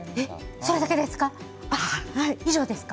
それだけですか？